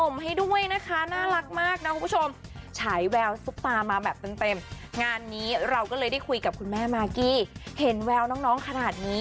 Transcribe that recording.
ไม่ค่อยแน่ใจบางทีก็เรียนชั้นล่างบางทีเรียนชั้นบนไง